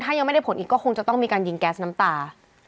ถ้ายังไม่ได้ผลอีกก็คงจะต้องมีการยิงแก๊สน้ำตา